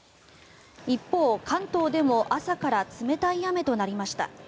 一方、関東でも朝から冷たい雨となりました。